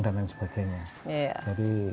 dan lain sebagainya jadi